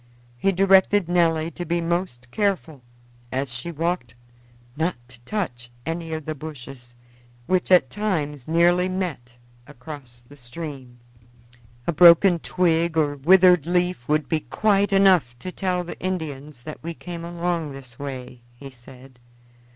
He directed Nelly to be most careful as she walked not to touch any of the bushes, which at times nearly met across the stream. "A broken twig or withered leaf would be quite enough to tell the Indians that we came along this way," he said.